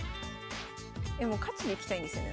もう勝ちにいきたいんですよね